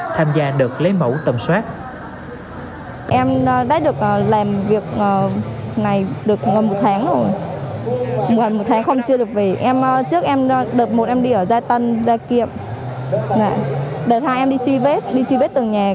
tham gia đợt lấy mẫu tầm soát